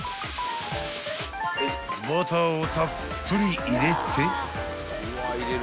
［バターをたっぷり入れて］